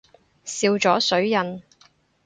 笑咗水印